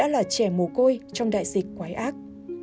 là trẻ mù côi trong đại dịch quái ác